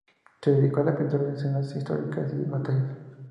Se dedicó a la pintura de escenas históricas y de batallas.